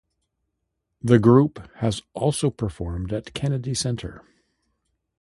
The group has also performed at Kennedy Center.